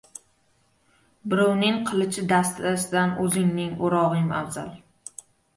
• Birovning qilichi dastasidan o‘zingning o‘rog‘ing afzal.